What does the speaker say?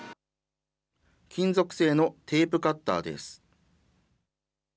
金属製のテープカッターです。